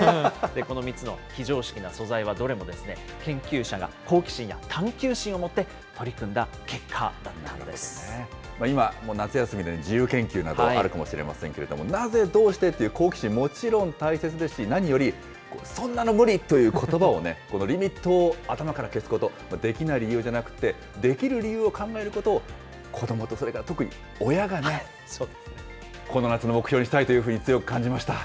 この３つの非常識な素材は、どれも研究者が好奇心や探求心を今、もう夏休みで、自由研究などあるかもしれませんけれども、なぜ、どうしてという好奇心はもちろん大切ですし、何より、そんなの無理ということばを、このリミットを頭から消すこと、できない理由じゃなくて、できる理由を考えることを、子どもと、それから特に親がね、この夏の目標にしたいというふうに強く感じました。